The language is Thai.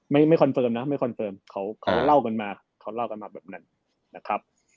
ไม่คอนเฟิร์มเขาเล่ากันมาแบบนั้นนะครับ